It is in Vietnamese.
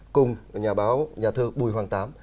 cùng nhà báo nhà thơ bùi hoàng tám